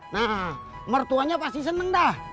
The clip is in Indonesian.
nah mertuanya pasti senang dah